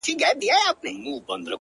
چا ویل چي خدای د انسانانو په رکم نه دی